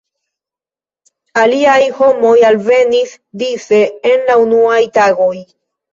Aliaj homoj alvenis dise en la unuaj tagoj.